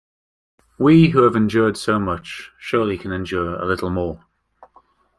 We who have endured so much surely can endure a little more.